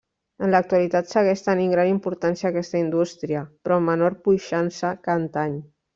En l'actualitat segueix tenint gran importància aquesta indústria, però amb menor puixança que antany.